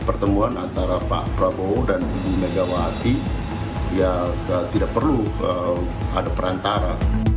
pertemuan antara pak prabowo dan ibu megawati ya tidak perlu ada perantara